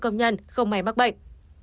công nhân không may mắc bệnh